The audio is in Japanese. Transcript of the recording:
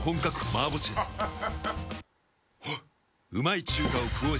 あっ。